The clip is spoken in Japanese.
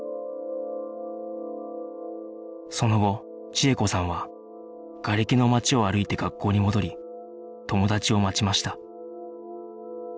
その後千枝子さんはがれきの街を歩いて学校に戻り友達を待ちました